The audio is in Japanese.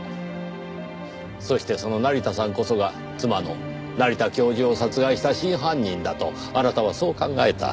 そしてその成田さんこそが妻の成田教授を殺害した真犯人だとあなたはそう考えた。